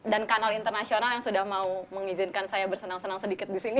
dan kanal internasional yang sudah mau mengizinkan saya bersenang senang sedikit disini